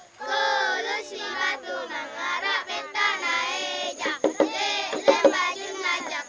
jika mereka berpikir bahwa hak di shakes maskepun telah kembali dalam bagian menamlukan